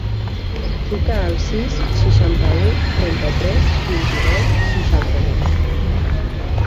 Truca al sis, seixanta-u, trenta-tres, vint-i-nou, seixanta-dos.